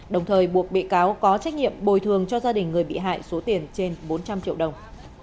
đồng thời buộc bị cáo có trách nhiệm bồi thường cho gia đình người bị hại số tiền trên bốn trăm linh triệu đồng